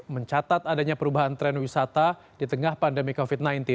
mencatat adanya perubahan tren wisata di tengah pandemi covid sembilan belas